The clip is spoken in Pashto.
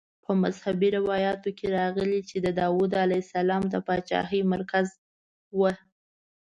په مذهبي روایاتو کې راغلي چې د داود علیه السلام د پاچاهۍ مرکز وه.